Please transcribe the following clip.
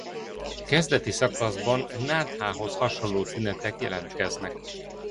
Kezdeti szakaszban náthához hasonló tünetek jelentkeznek.